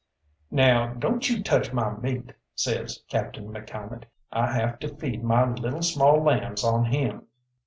"Now don't you touch my meat," says Captain McCalmont; "I have to feed my little small lambs on him.